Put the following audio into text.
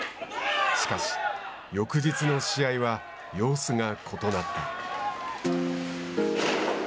しかし、翌日の試合は様子が異なった。